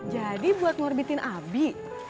jadi buat ngorbitin abi